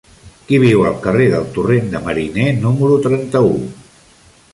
Qui viu al carrer del Torrent de Mariner número trenta-u?